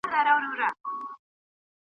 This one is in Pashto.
شمع په پانوس کي ستا له وېري رڼا نه نیسي .